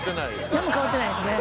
なんも変わってないですね。